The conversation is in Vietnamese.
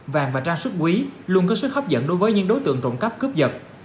vàng và trang sức quý luôn có sức hấp dẫn đối với những đối tượng trộm cắp cướp giật